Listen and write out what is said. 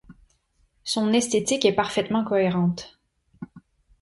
Son esthétique est parfaitement cohérente.